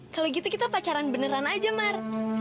kalau gitu kita pacaran beneran aja mar